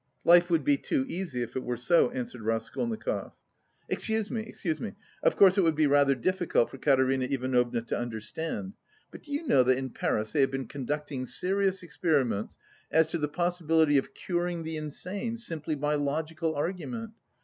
"Life would be too easy if it were so," answered Raskolnikov. "Excuse me, excuse me; of course it would be rather difficult for Katerina Ivanovna to understand, but do you know that in Paris they have been conducting serious experiments as to the possibility of curing the insane, simply by logical argument?